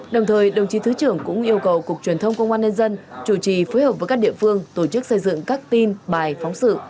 đồng thời đồng chí thứ trưởng cũng yêu cầu cục truyền thông công an nhân dân chủ trì phối hợp với các địa phương tổ chức xây dựng các tin bài phóng sự